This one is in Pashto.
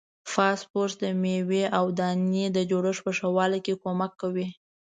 فاسفورس د میوې او دانې د جوړښت په ښه والي کې کومک کوي.